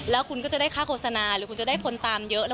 แล้วคุณก็จะได้ค่าโฆษณาหรือคุณจะได้ผลตามเยอะ